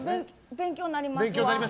勉強になります。